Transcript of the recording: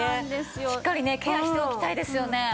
しっかりねケアしておきたいですよね。